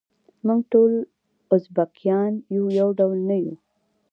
موږ ټول ازبیکان یو ډول نه یوو.